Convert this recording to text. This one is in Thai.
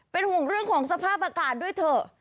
เป็นห่วงเรื่องของสภาพอากาศด้วยเถอะ